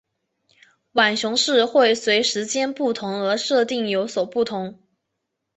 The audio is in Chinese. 浣熊市会随时间不同而设定有所不同。